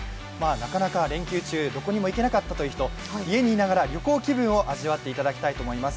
なかなか連休中、どこにも行けなかったという人家にいながら旅行気分を味わっていただきたいと思います。